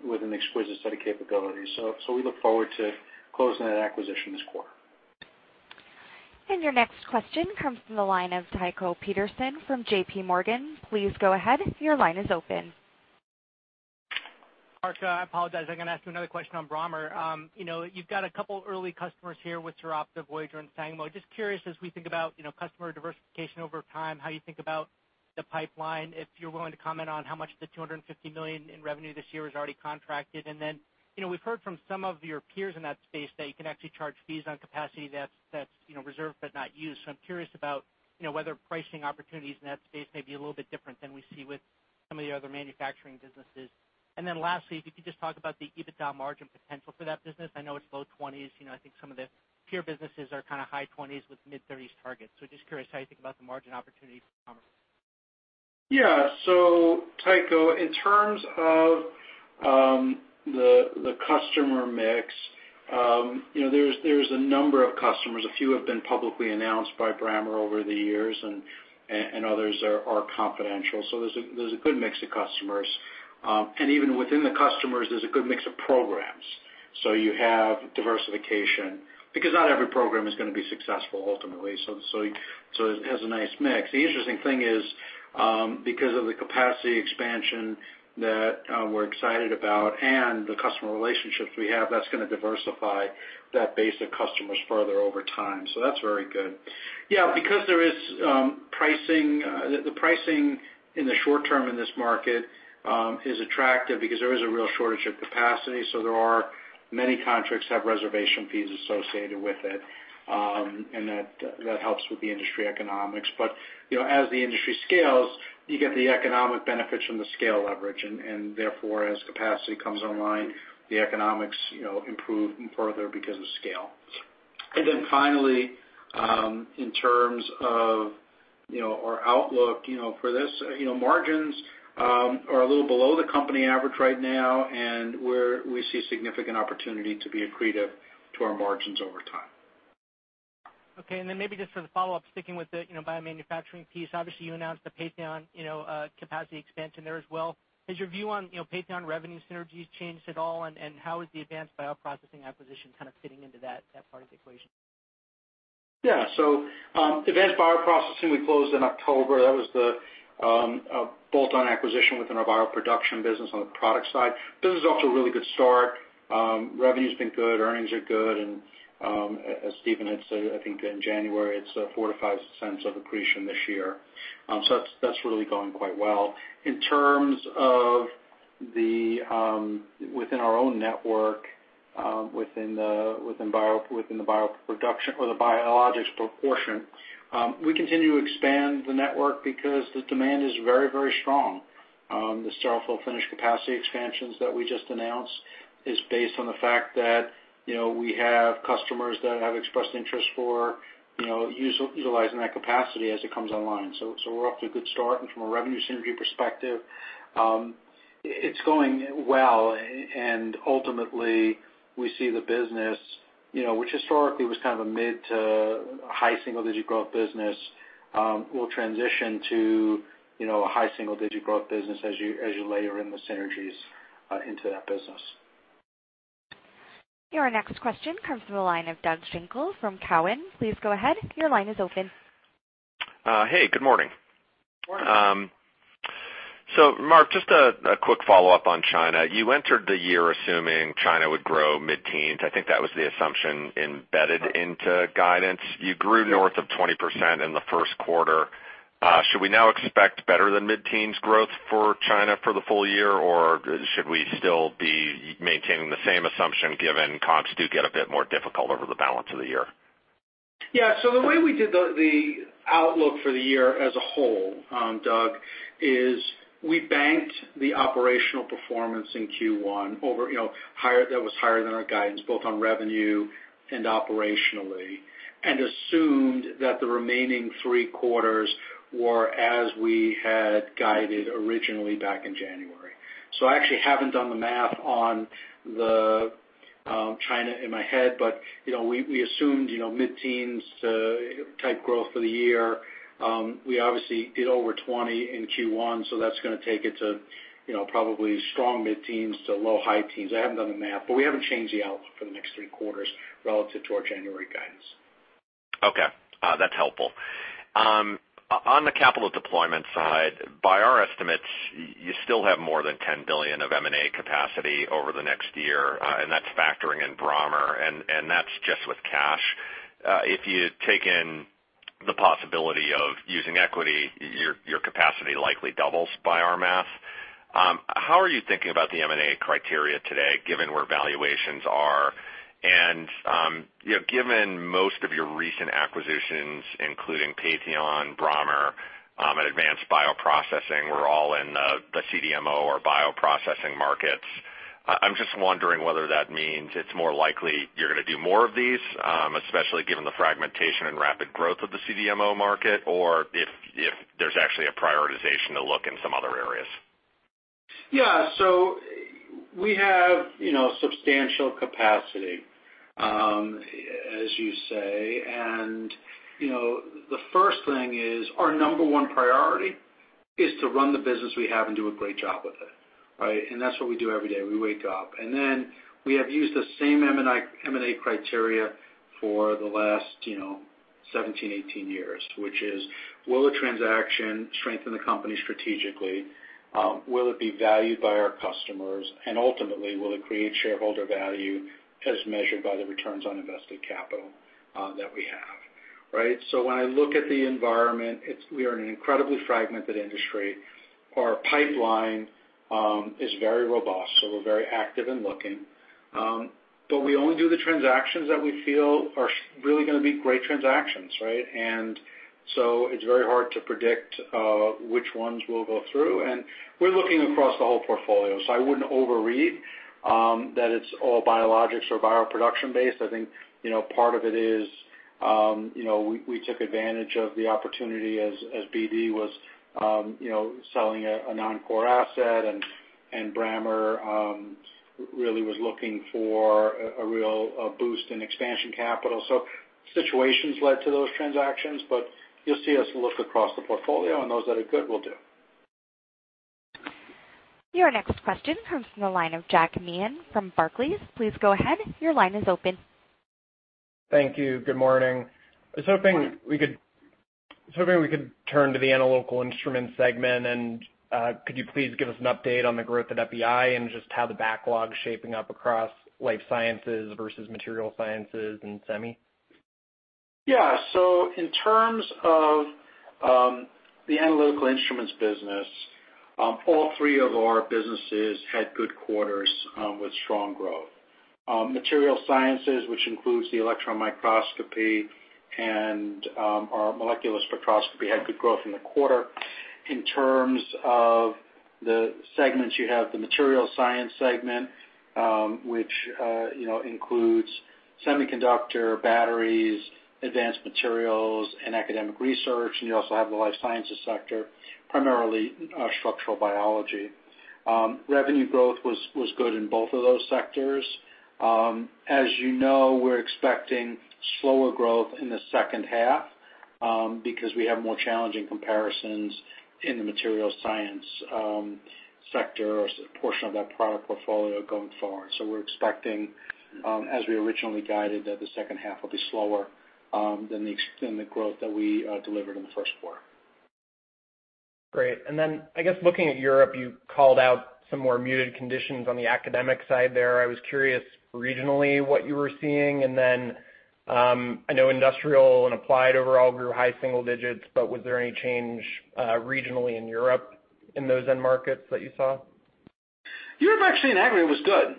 with an exquisite set of capabilities. We look forward to closing that acquisition this quarter. Your next question comes from the line of Tycho Peterson from J.P. Morgan. Please go ahead. Your line is open. Marc, I apologize, I'm going to ask you another question on Brammer Bio. You've got a couple early customers here with [Trope], Voyager Therapeutics, and Sangamo Therapeutics. Curious, as we think about customer diversification over time, how you think about the pipeline, if you're willing to comment on how much of the $250 million in revenue this year is already contracted. We've heard from some of your peers in that space that you can actually charge fees on capacity that's reserved but not used. I'm curious about whether pricing opportunities in that space may be a little bit different than we see with some of the other manufacturing businesses. Lastly, if you could just talk about the EBITDA margin potential for that business. I know it's low 20s. I think some of the peer businesses are kind of high 20s with mid-30s targets. Just curious how you think about the margin opportunity for Brammer Bio. Yeah. Tycho, in terms of the customer mix, there's a number of customers. A few have been publicly announced by Brammer Bio over the years, and others are confidential. There's a good mix of customers. Even within the customers, there's a good mix of programs. You have diversification, because not every program is going to be successful ultimately. It has a nice mix. The interesting thing is, because of the capacity expansion that we're excited about and the customer relationships we have, that's going to diversify that base of customers further over time. That's very good. Yeah, because the pricing in the short term in this market is attractive because there is a real shortage of capacity, there are many contracts have reservation fees associated with it, and that helps with the industry economics. As the industry scales, you get the economic benefits from the scale leverage. Therefore, as capacity comes online, the economics improve further because of scale. Finally, in terms of our outlook for this, margins are a little below the company average right now, we see a significant opportunity to be accretive to our margins over time. Maybe just for the follow-up, sticking with the biomanufacturing piece, obviously you announced the Patheon capacity expansion there as well. Has your view on Patheon revenue synergies changed at all, and how is the Advanced Bioprocessing acquisition kind of fitting into that part of the equation? Advanced Bioprocessing we closed in October. That was the bolt-on acquisition within our bioproduction business on the product side. Business is off to a really good start. Revenue's been good, earnings are good, and as Stephen had said, I think in January, it's $0.04-$0.05 of accretion this year. That's really going quite well. In terms of within our own network, within the biologics proportion, we continue to expand the network because the demand is very strong. The sterile finished capacity expansions that we just announced is based on the fact that we have customers that have expressed interest for utilizing that capacity as it comes online. We're off to a good start. From a revenue synergy perspective, it's going well. Ultimately, we see the business, which historically was kind of a mid to high single-digit growth business, will transition to a high single-digit growth business as you layer in the synergies into that business. Your next question comes from the line of Doug Schenkel from Cowen. Please go ahead. Your line is open. Hey, good morning. Morning. Marc, just a quick follow-up on China. You entered the year assuming China would grow mid-teens. I think that was the assumption embedded into guidance. You grew north of 20% in the first quarter. Should we now expect better than mid-teens growth for China for the full year, or should we still be maintaining the same assumption given comps do get a bit more difficult over the balance of the year? Yeah. The way we did the outlook for the year as a whole, Doug, is we banked the operational performance in Q1 over, that was higher than our guidance, both on revenue and operationally, and assumed that the remaining three quarters were as we had guided originally back in January. I actually haven't done the math on the China in my head, but we assumed mid-teens type growth for the year. We obviously did over 20 in Q1, so that's going to take it to probably strong mid-teens to low, high teens. I haven't done the math, but we haven't changed the outlook for the next three quarters relative to our January guidance. Okay. That's helpful. On the capital deployment side, by our estimates, you still have more than $10 billion of M&A capacity over the next year, and that's factoring in Brammer, and that's just with cash. If you take in the possibility of using equity, your capacity likely doubles by our math. How are you thinking about the M&A criteria today, given where valuations are, and given most of your recent acquisitions, including Patheon, Brammer, and Advanced Bioprocessing, were all in the CDMO or bioprocessing markets. I'm just wondering whether that means it's more likely you're going to do more of these, especially given the fragmentation and rapid growth of the CDMO market, or if there's actually a prioritization to look in some other areas. Yeah. We have substantial capacity, as you say. The first thing is our number 1 priority is to run the business we have and do a great job with it, right? That's what we do every day. We wake up, we have used the same M&A criteria for the last 17, 18 years, which is, will a transaction strengthen the company strategically? Will it be valued by our customers? Ultimately, will it create shareholder value as measured by the returns on invested capital that we have, right? When I look at the environment, we are in an incredibly fragmented industry. Our pipeline is very robust, so we're very active in looking. We only do the transactions that we feel are really going to be great transactions, right? It's very hard to predict which ones we'll go through. We're looking across the whole portfolio. I wouldn't overread that it's all biologics or bioproduction-based. I think part of it is we took advantage of the opportunity as BD was selling a non-core asset, and Brammer really was looking for a real boost in expansion capital. Situations led to those transactions, you'll see us look across the portfolio, and those that are good we'll do. Your next question comes from the line of Jack Meehan from Barclays. Please go ahead. Your line is open. Thank you. Good morning. I was hoping we could turn to the Analytical Instruments segment. Could you please give us an update on the growth at FEI and just how the backlog's shaping up across Life Sciences versus Material Sciences and semi? Yeah. In terms of the Analytical Instruments business, all three of our businesses had good quarters with strong growth. Material Sciences, which includes the electron microscopy and our molecular spectroscopy, had good growth in the quarter. In terms of the segments, you have the Material Sciences segment, which includes semiconductor, batteries, advanced materials, and academic research. You also have the Life Sciences sector, primarily structural biology. Revenue growth was good in both of those sectors. As you know, we're expecting slower growth in the second half because we have more challenging comparisons in the Material Sciences sector or portion of that product portfolio going forward. We're expecting, as we originally guided, that the second half will be slower than the growth that we delivered in the first quarter. Great. I guess looking at Europe, you called out some more muted conditions on the academic side there. I was curious regionally what you were seeing. I know industrial and applied overall grew high single digits. Was there any change regionally in Europe in those end markets that you saw? Europe actually in aggregate was good.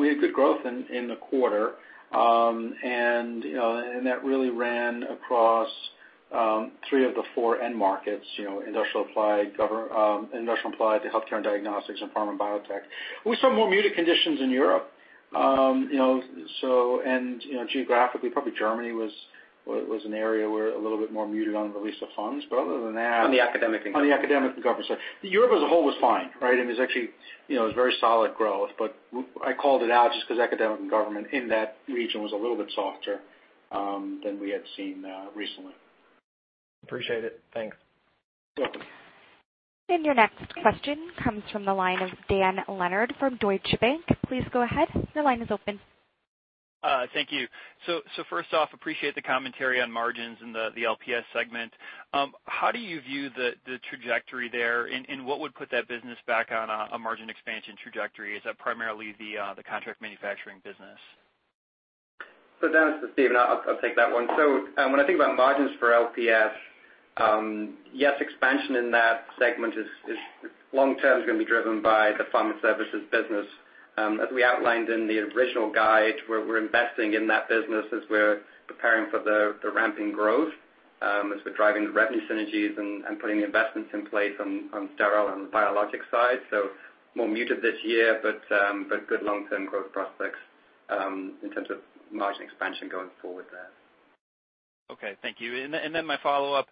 We had good growth in the quarter. That really ran across three of the four end markets, industrial applied to healthcare and diagnostics and pharma and biotech. We saw more muted conditions in Europe. Geographically, probably Germany was an area where a little bit more muted on the release of funds. On the academic and government On the academic and government side. Europe as a whole was fine, right? It was actually very solid growth, but I called it out just because academic and government in that region was a little bit softer than we had seen recently. Appreciate it. Thanks. You're welcome. Your next question comes from the line of Dan Leonard from Deutsche Bank. Please go ahead. Your line is open. Thank you. First off, appreciate the commentary on margins in the LPS segment. How do you view the trajectory there, and what would put that business back on a margin expansion trajectory? Is that primarily the contract manufacturing business? Dan, this is Steve, and I'll take that one. When I think about margins for LPS, expansion in that segment is long term is going to be driven by the pharma services business. As we outlined in the original guide, we're investing in that business as we're preparing for the ramping growth, as we're driving the revenue synergies and putting the investments in place on sterile and the biologic side. More muted this year, but good long-term growth prospects in terms of margin expansion going forward there. Okay. Thank you. My follow-up.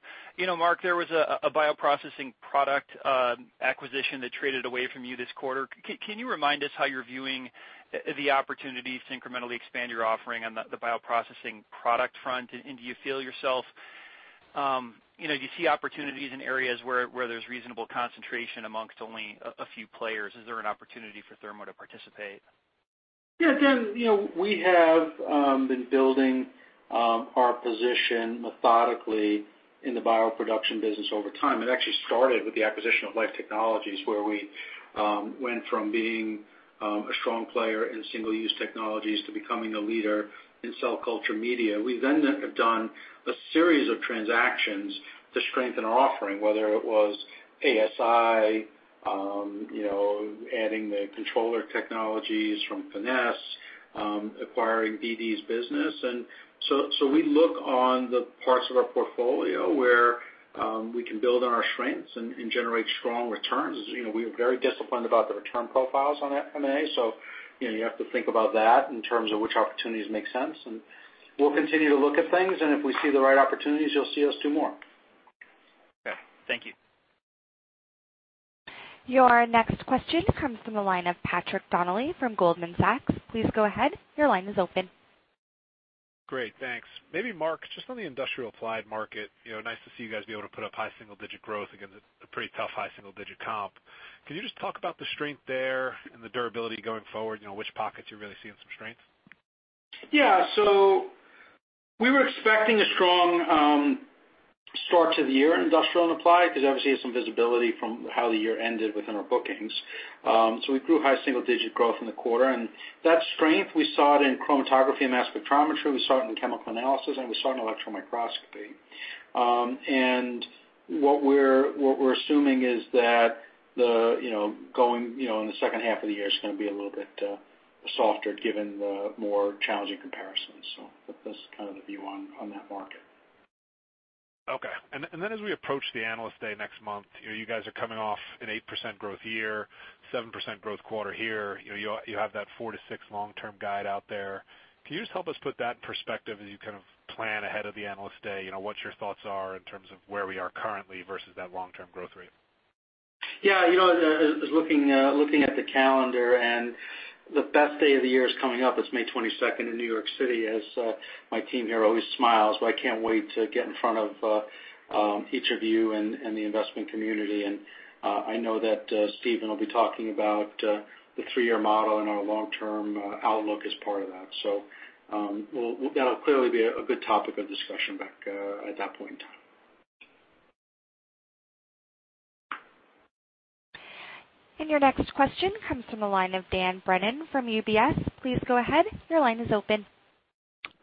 Marc, there was a bioprocessing product acquisition that traded away from you this quarter. Can you remind us how you're viewing the opportunities to incrementally expand your offering on the bioprocessing product front? Do you see opportunities in areas where there's reasonable concentration amongst only a few players? Is there an opportunity for Thermo to participate? Yeah, Dan, we have been building our position methodically in the bioproduction business over time. It actually started with the acquisition of Life Technologies, where we went from being a strong player in single-use technologies to becoming a leader in cell culture media. We then have done a series of transactions to strengthen our offering, whether it was ASI, adding the controller technologies from Finesse, acquiring BD's business. We look on the parts of our portfolio where we can build on our strengths and generate strong returns. As you know, we are very disciplined about the return profiles on M&A, you have to think about that in terms of which opportunities make sense. We'll continue to look at things, and if we see the right opportunities, you'll see us do more. Okay. Thank you. Your next question comes from the line of Patrick Donnelly from Goldman Sachs. Please go ahead. Your line is open. Great. Thanks. Maybe Marc, just on the industrial applied market, nice to see you guys be able to put up high single-digit growth against a pretty tough high single-digit comp. Can you just talk about the strength there and the durability going forward, which pockets you're really seeing some strength? Yeah. We were expecting a strong start to the year in industrial and applied, because obviously you have some visibility from how the year ended within our bookings. We grew high single-digit growth in the quarter, and that strength we saw it in chromatography and mass spectrometry, we saw it in chemical analysis, and we saw it in electron microscopy. What we're assuming is that going in the second half of the year is going to be a little bit softer given the more challenging comparisons. That's kind of the view on that market. Okay. As we approach the Analyst Day next month, you guys are coming off an 8% growth year, 7% growth quarter here. You have that 4% to 6% long-term guide out there. Can you just help us put that in perspective as you kind of plan ahead of the Analyst Day, what your thoughts are in terms of where we are currently versus that long-term growth rate? Yeah. As looking at the calendar and the best day of the year is coming up, it's May 22nd in New York City, as my team here always smiles, but I can't wait to get in front of each of you and the investment community. I know that Stephen will be talking about the 3-year model and our long-term outlook as part of that. That'll clearly be a good topic of discussion back at that point in time. Your next question comes from the line of Dan Brennan from UBS. Please go ahead. Your line is open.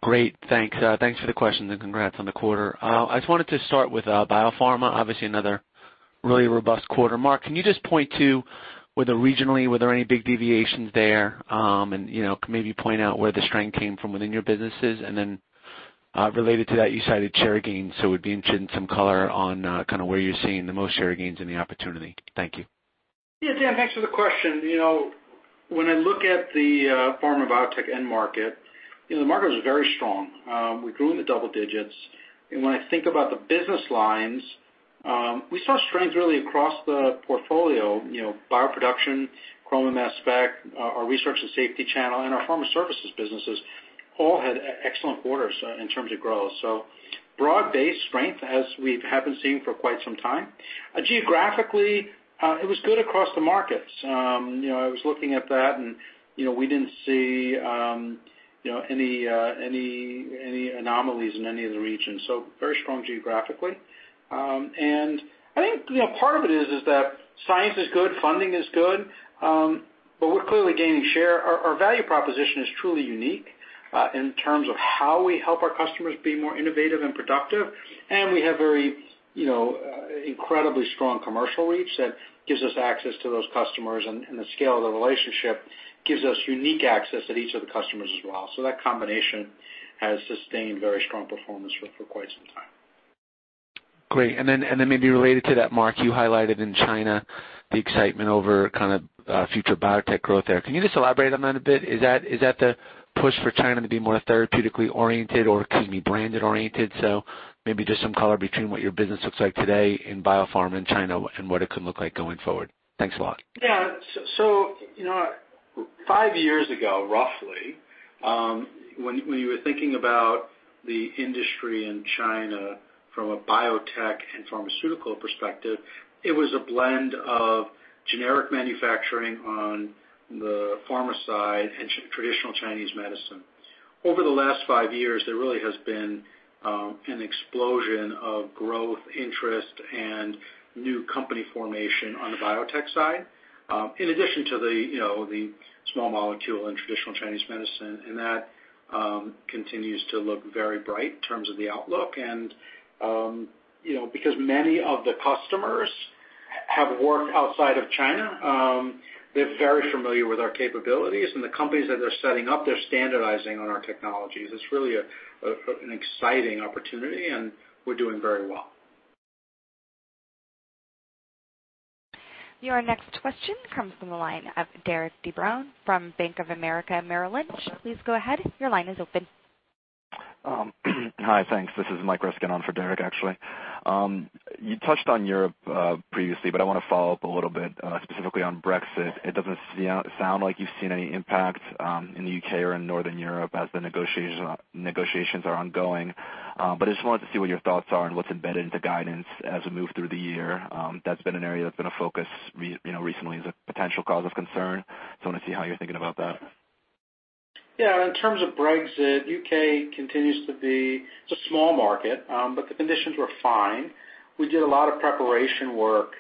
Great. Thanks. Thanks for the question, and congrats on the quarter. I just wanted to start with biopharma, obviously another really robust quarter. Marc, can you just point to whether regionally, were there any big deviations there? Can maybe point out where the strength came from within your businesses? Then, related to that, you cited share gains, would be interested in some color on kind of where you're seeing the most share gains and the opportunity. Thank you. Yeah, Dan, thanks for the question. When I look at the pharma biotech end market, the market was very strong. We grew in the double digits. When I think about the business lines, we saw strength really across the portfolio. Bioproduction, chroma/mass spec, our research and safety channel, and our pharma services businesses all had excellent quarters in terms of growth. Broad-based strength as we have been seeing for quite some time. Geographically, it was good across the markets. I was looking at that, we didn't see any anomalies in any of the regions. Very strong geographically. I think part of it is that science is good, funding is good, but we're clearly gaining share. Our value proposition is truly unique in terms of how we help our customers be more innovative and productive. We have very incredibly strong commercial reach that gives us access to those customers, and the scale of the relationship gives us unique access at each of the customers as well. That combination has sustained very strong performance for quite some time. Great. Then maybe related to that, Marc, you highlighted in China the excitement over kind of future biotech growth there. Can you just elaborate on that a bit? Is that the push for China to be more therapeutically oriented or excuse me, branded oriented? Maybe just some color between what your business looks like today in biopharm in China and what it could look like going forward. Thanks a lot. Yeah. Five years ago, roughly, when you were thinking about the industry in China from a biotech and pharmaceutical perspective, it was a blend of generic manufacturing on the pharma side and traditional Chinese medicine. Over the last five years, there really has been an explosion of growth interest and new company formation on the biotech side, in addition to the small molecule and traditional Chinese medicine. That continues to look very bright in terms of the outlook because many of the customers have worked outside of China, they're very familiar with our capabilities, and the companies that they're setting up, they're standardizing on our technologies. It's really an exciting opportunity. We're doing very well. Your next question comes from the line of Derik De Bruin from Bank of America Merrill Lynch. Please go ahead. Your line is open. Hi, thanks. This is Michael Ryskin on for Derik, actually. You touched on Europe previously. I want to follow up a little bit specifically on Brexit. It doesn't sound like you've seen any impact in the U.K. or in Northern Europe as the negotiations are ongoing. I just wanted to see what your thoughts are what's embedded into guidance as we move through the year. That's been an area that's been a focus recently as a potential cause of concern. I want to see how you're thinking about that. Yeah. In terms of Brexit, U.K. It's a small market. The conditions were fine. We did a lot of preparation work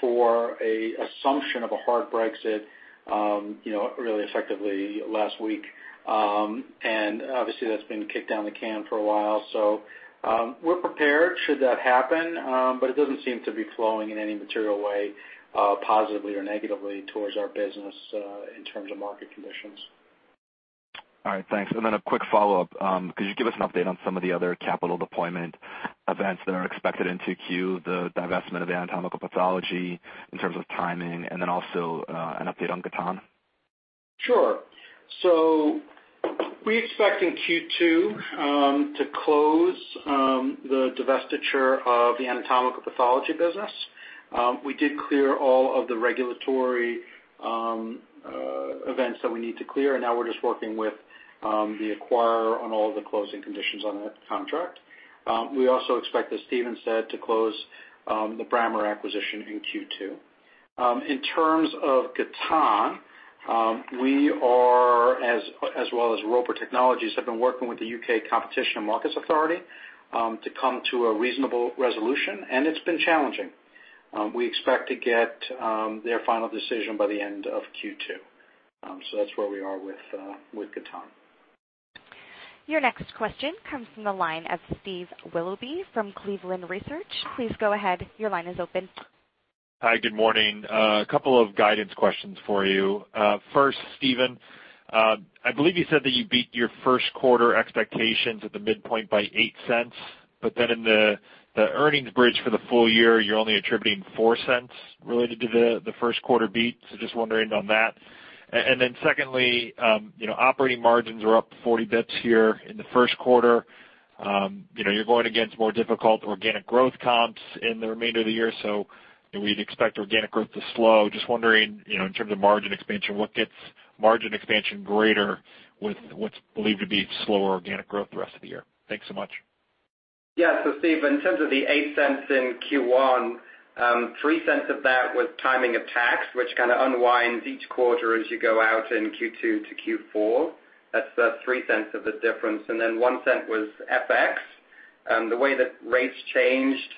for an assumption of a hard Brexit, really effectively last week. Obviously, that's been kicked down the can for a while. We're prepared should that happen. It doesn't seem to be flowing in any material way positively or negatively towards our business in terms of market conditions. All right. Thanks. A quick follow-up. Could you give us an update on some of the other capital deployment events that are expected in 2Q, the divestment of the anatomical pathology in terms of timing, and then also, an update on Gatan? Sure. We expect in Q2 to close the divestiture of the anatomical pathology business. We did clear all of the regulatory events that we need to clear, and now we're just working with the acquirer on all of the closing conditions on that contract. We also expect, as Stephen said, to close the Brammer acquisition in Q2. In terms of Gatan, we are, as well as Roper Technologies, have been working with the U.K. Competition and Markets Authority, to come to a reasonable resolution, and it's been challenging. We expect to get their final decision by the end of Q2. That's where we are with Gatan. Your next question comes from the line of Steve Willoughby from Cleveland Research. Please go ahead. Your line is open. Hi, good morning. A couple of guidance questions for you. First, Stephen, I believe you said that you beat your first quarter expectations at the midpoint by $0.08, but then in the earnings bridge for the full year, you're only attributing $0.04 related to the first quarter beat. Just wondering on that. Secondly, operating margins are up 40 basis points here in the first quarter. You're going against more difficult organic growth comps in the remainder of the year. We'd expect organic growth to slow. Just wondering, in terms of margin expansion, what gets margin expansion greater with what's believed to be slower organic growth the rest of the year? Thanks so much. Steve, in terms of the $0.08 in Q1, $0.03 of that was timing of tax, which kind of unwinds each quarter as you go out in Q2 to Q4. That's the $0.03 of the difference. One cent was FX. The way that rates changed,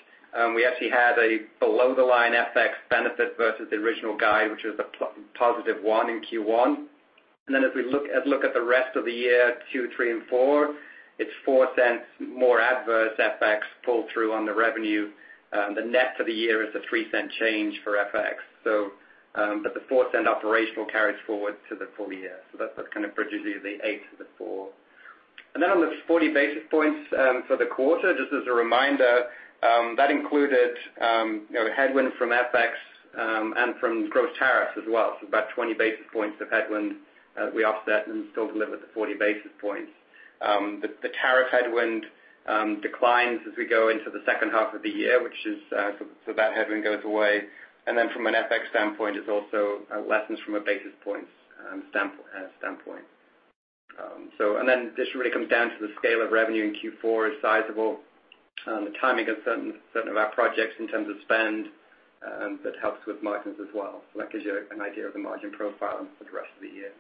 we actually had a below the line FX benefit versus the original guide, which was a positive $0.01 in Q1. As we look at the rest of the year, 2, 3, and 4, it's $0.04 more adverse FX pull through on the revenue. The net for the year is a $0.03 change for FX. The $0.04 operational carries forward to the full year. That kind of bridges you the $0.08 to the $0.04. On the 40 basis points for the quarter, just as a reminder, that included headwind from FX, and from gross tariffs as well. About 20 basis points of headwind, we offset and still delivered the 40 basis points. The tariff headwind declines as we go into the second half of the year, that headwind goes away. From an FX standpoint, it also lessens from a basis points standpoint. This really comes down to the scale of revenue in Q4 is sizable. The timing of certain of our projects in terms of spend, that helps with margins as well. That gives you an idea of the margin profile for the rest of the year.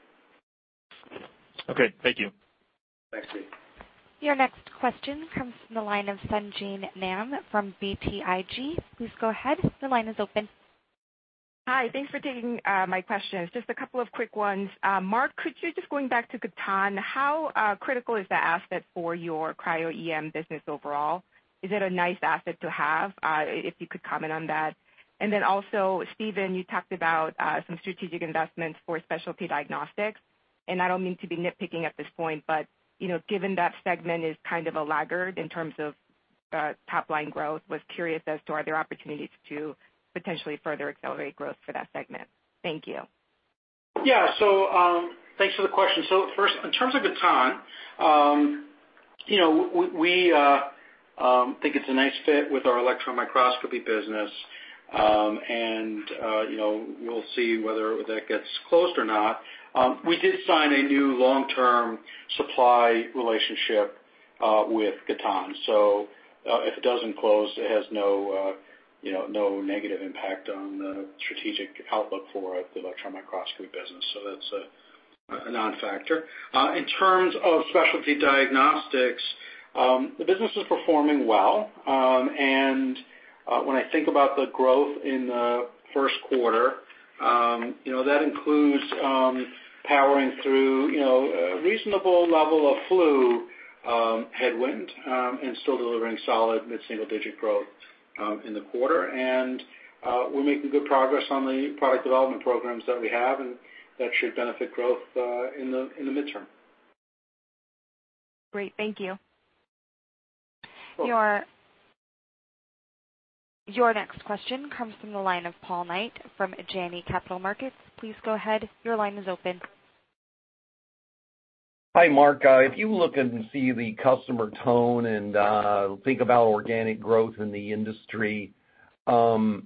Okay. Thank you. Thanks, Steve. Your next question comes from the line of Sung Ji Nam from BTIG. Please go ahead. The line is open. Hi. Thanks for taking my questions. Just a couple of quick ones. Marc, could you, just going back to Gatan, how critical is that asset for your cryo-EM business overall? Is it a nice asset to have? If you could comment on that. Then also, Stephen, you talked about some strategic investments for Specialty Diagnostics, I don't mean to be nitpicking at this point, but given that segment is kind of a laggard in terms of top-line growth, was curious as to are there opportunities to potentially further accelerate growth for that segment? Thank you. Yeah. Thanks for the question. First, in terms of Gatan, we think it's a nice fit with our electron microscopy business. We'll see whether that gets closed or not. We did sign a new long-term supply relationship with Gatan, if it doesn't close, it has no negative impact on the strategic outlook for the electron microscopy business. That's a non-factor. In terms of Specialty Diagnostics, the business is performing well. When I think about the growth in the first quarter. That includes powering through a reasonable level of flu headwind, still delivering solid mid-single-digit growth in the quarter. We're making good progress on the product development programs that we have, that should benefit growth in the midterm. Great. Thank you. Sure. Your next question comes from the line of Paul Knight from Janney Montgomery Scott. Please go ahead. Your line is open. Hi, Marc. If you look and see the customer tone and think about organic growth in the industry, and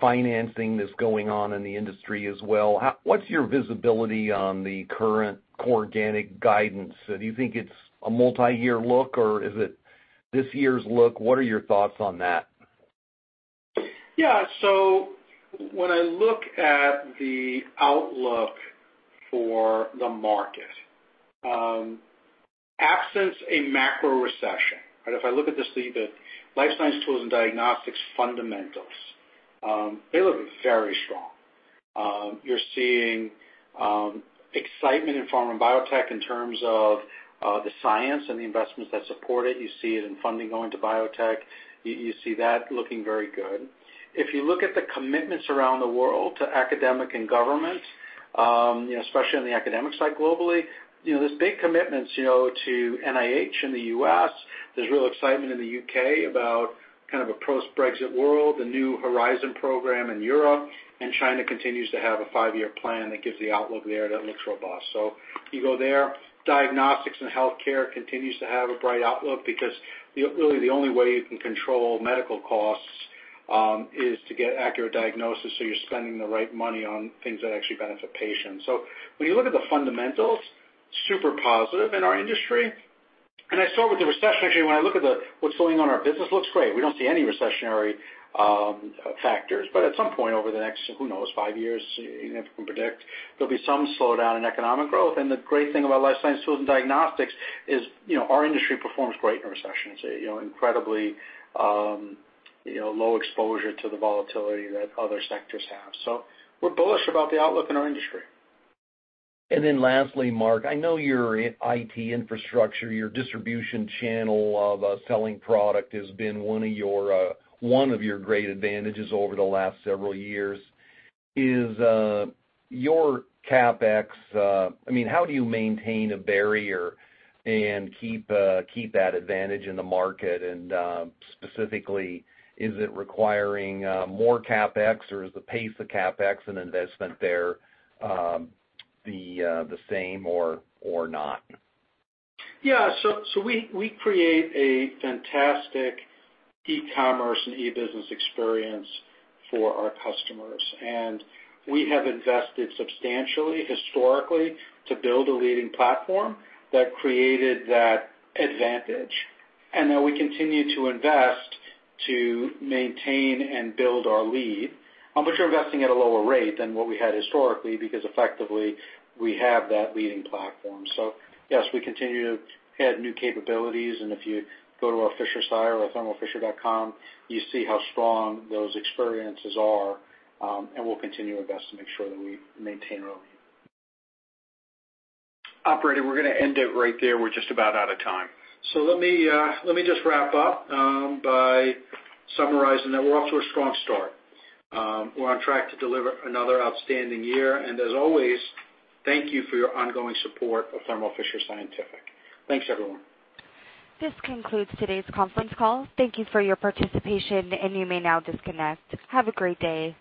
financing that's going on in the industry as well, what's your visibility on the current core organic guidance? Do you think it's a multi-year look, or is it this year's look? What are your thoughts on that? Yeah. When I look at the outlook for the market, absence a macro recession, if I look at just the life science tools and diagnostics fundamentals, they look very strong. You're seeing excitement in pharma and biotech in terms of the science and the investments that support it. You see it in funding going to biotech. You see that looking very good. If you look at the commitments around the world to academic and government, especially on the academic side globally, there's big commitments to NIH in the U.S. There's real excitement in the U.K. about kind of a post-Brexit world, the new Horizon program in Europe, China continues to have a five-year plan that gives the outlook there that looks robust. You go there, diagnostics and healthcare continues to have a bright outlook because really the only way you can control medical costs is to get accurate diagnosis, you're spending the right money on things that actually benefit patients. When you look at the fundamentals, super positive in our industry. I start with the recession, actually, when I look at what's going on, our business looks great. We don't see any recessionary factors, but at some point over the next, who knows, five years, if we can predict, there'll be some slowdown in economic growth. The great thing about life science tools and diagnostics is our industry performs great in recessions. Incredibly low exposure to the volatility that other sectors have. We're bullish about the outlook in our industry. lastly, Marc, I know your IT infrastructure, your distribution channel of selling product has been one of your great advantages over the last several years. Is your CapEx how do you maintain a barrier and keep that advantage in the market? Specifically, is it requiring more CapEx, or is the pace of CapEx and investment there the same or not? Yeah. We create a fantastic e-commerce and e-business experience for our customers. We have invested substantially historically to build a leading platform that created that advantage, and that we continue to invest to maintain and build our lead, we're investing at a lower rate than what we had historically, because effectively we have that leading platform. Yes, we continue to add new capabilities, if you go to our Fisher Scientific site or thermofisher.com, you see how strong those experiences are. We'll continue to invest to make sure that we maintain our lead. Operator, we're going to end it right there. We're just about out of time. Let me just wrap up by summarizing that we're off to a strong start. We're on track to deliver another outstanding year, and as always, thank you for your ongoing support of Thermo Fisher Scientific. Thanks, everyone. This concludes today's conference call. Thank you for your participation, and you may now disconnect. Have a great day.